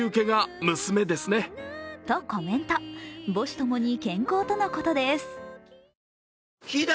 母子ともに健康とのことです。